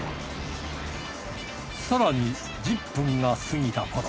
更に１０分が過ぎたころ